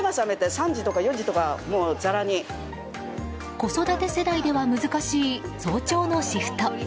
子育て世代では難しい早朝のシフト。